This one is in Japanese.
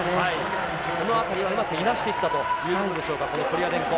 このあたりは、うまくいなしていったということでしょうか、このコリアデンコ。